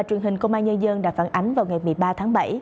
ubnd đã phản ánh vào ngày một mươi ba tháng bảy